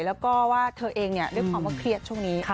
แล้วก็ว่าเธอเองด้วยความว่าเครียดช่วงนี้